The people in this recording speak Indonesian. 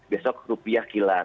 besok rupiah kilat